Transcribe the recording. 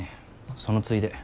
そのついで。